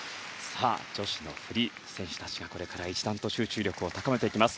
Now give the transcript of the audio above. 女子のフリー、選手たちがこれから一段と集中力を高めていきます。